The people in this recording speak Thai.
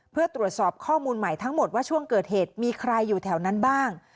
เพื่อตรวจสอบข้อมูลใหม่ทั้งหมดว่าช่วงเกิดเหตุมีใครอยู่แถวนั้นบ้าง